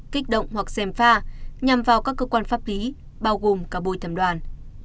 kích động hoặc xem pha nhằm vào các cơ quan pháp lý bao gồm cả bồi thẩm đoàn